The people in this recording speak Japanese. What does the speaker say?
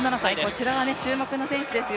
こちらは注目の選手ですよ。